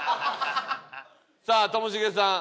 さあともしげさん